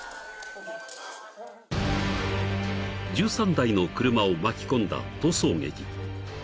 ［１３台の車を巻き込んだ逃走劇］